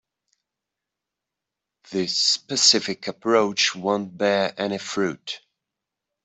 This specific approach won't bear any fruit.